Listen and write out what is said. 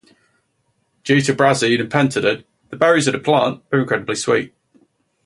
Due to brazzein and pentadin, the berries of the plant are incredibly sweet.